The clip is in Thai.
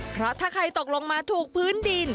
เพราะถ้าใครตกลงมาถูกพื้นดิน